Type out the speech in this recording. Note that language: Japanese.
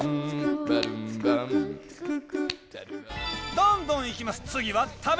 どんどんいきます！